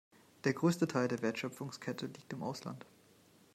Der größte Teil der Wertschöpfungskette liegt im Ausland.